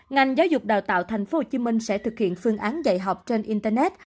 ngành giáo dục đào tạo tp hcm sẽ thực hiện phương án dạy học trên internet